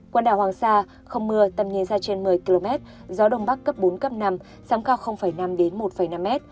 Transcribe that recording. quần đảo hoàng sa không mưa tầm nhìn xa trên một mươi km gió đông bắc cấp bốn cấp năm sóng cao năm một năm m